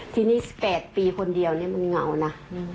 ทีนี้๑๘ปีคนเดียวนี่มันเหงานะ